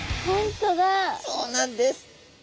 そうなんです。